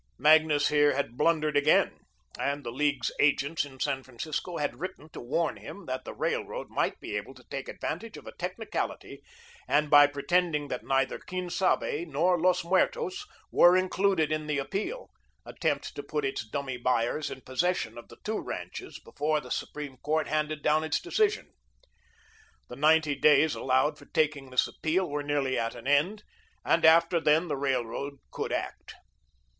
Magnus had here blundered again, and the League's agents in San Francisco had written to warn him that the Railroad might be able to take advantage of a technicality, and by pretending that neither Quien Sabe nor Los Muertos were included in the appeal, attempt to put its dummy buyers in possession of the two ranches before the Supreme Court handed down its decision. The ninety days allowed for taking this appeal were nearly at an end and after then the Railroad could act.